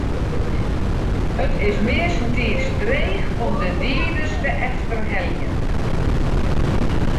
It is meastentiids dreech om de dieders te efterheljen.